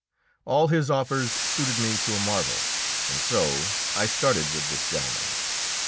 All his offers suited me to a marvel, and so I started with this gentleman.